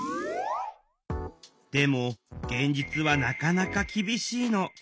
でも現実はなかなか厳しいの。